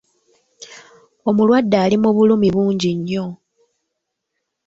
Omulwadde ali mu bulumi bungi nnyo.